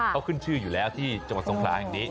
เขาขึ้นชื่ออยู่แล้วที่จังหวัดสงขลาแห่งนี้